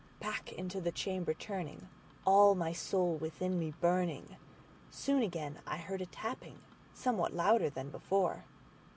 Back into the chamber turning, all my soul within me burning, Soon again I heard a tapping somewhat louder than before.